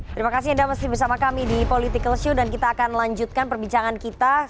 terima kasih anda masih bersama kami di political show dan kita akan lanjutkan perbincangan kita